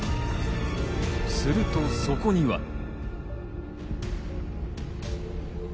するとそこには。